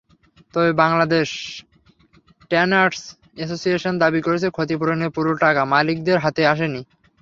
তবে Bangladesh tanners association দাবি করেছে, ক্ষতিপূরণের পুরো টাকা মালিকদের হাতে আসেনি।